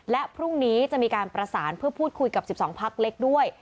และพรุ่งนี้จะมีการประสานเพื่อพูดคุยกับ๑๒พักเล็กด้วย